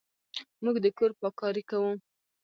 موږ د کور پاککاري کوو.